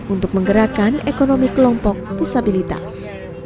untuk menggerakkan ekonomi kelompok disabilitas